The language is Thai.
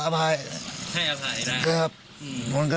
ให้อภัยได้ครับอืม